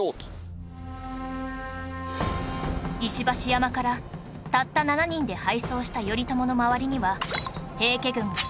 石橋山からたった７人で敗走した頼朝の周りには平家軍が３０００人